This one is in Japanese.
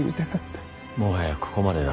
もはやここまでだ。